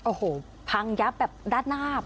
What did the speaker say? โอ้โหพังยับแบบด้านหน้า